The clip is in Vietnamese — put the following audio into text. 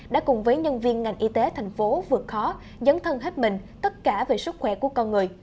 đã cùng với nhân viên ngành y tế thành phố vượt khó dấn thân hết mình tất cả về sức khỏe của con người